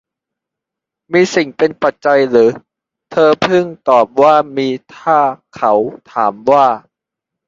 มีสิ่งเป็นปัจจัยหรือ เธอพึงตอบว่ามีถ้าเขาถามว่า